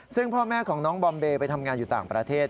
ซึ่งพ่อแม่ของน้องบอมเบย์ไปทำงานอยู่ต่างประเทศ